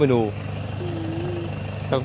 เมนูทนี้